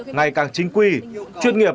ngày càng chính quy chuyên nghiệp